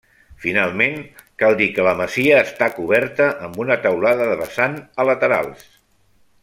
Finalment, cal dir que la masia està coberta amb una teulada de vessant a laterals.